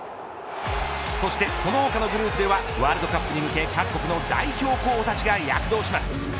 そして、その他のグループではワールドカップに向け各国の代表候補たちが躍動します。